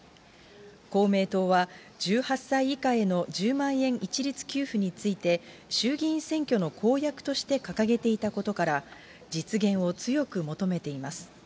公明党は、１８歳以下への１０万円一律給付について、衆議院選挙の公約として掲げていたことから、実現を強く求めています。